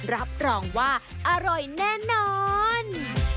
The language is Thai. รับรองว่าอร่อยแน่นอน